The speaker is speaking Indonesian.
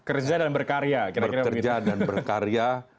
kerja dan berkarya bekerja dan berkarya